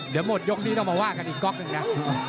เดี๋ยวหมดยกนี้ต้องมาว่ากันอีกก๊อกหนึ่งนะ